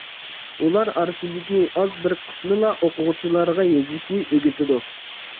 ئۇلار ئارىسىدىكى ئاز بىر قىسمىلا ئوقۇغۇچىلارغا يېزىشنى ئۆگىتىدۇ.